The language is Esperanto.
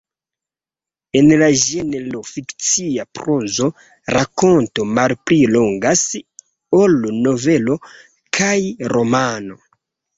En la ĝenro fikcia prozo, rakonto malpli longas ol novelo kaj romano.